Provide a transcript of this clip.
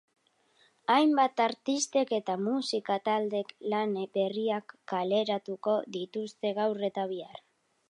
Hainbat artistek eta musika taldek lan berriak kaleratuko dituzte gaur eta bihar.